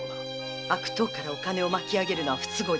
悪党からお金をまきあげるのは不都合じゃないわ。